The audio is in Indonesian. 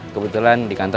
kebetulan di kantor